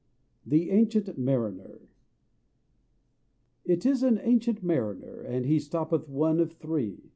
THE ANCIENT MARINER It is an ancient Mariner, And he stoppeth one of three.